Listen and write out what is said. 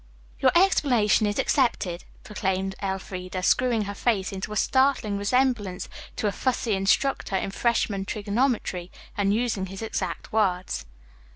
"Your explanation is accepted," proclaimed Elfreda, screwing her face into a startling resemblance to a fussy instructor in freshman trigonometry and using his exact words.